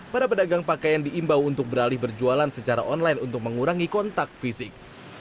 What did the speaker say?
para pedagang pakaian diimbau untuk beralih berjualan secara online untuk mengurangi kontak fisik